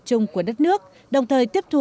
chung của đất nước đồng thời tiếp thu